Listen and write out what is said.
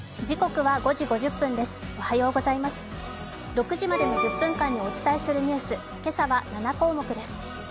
６時までの１０分間にお伝えするニュース、今朝は７項目です。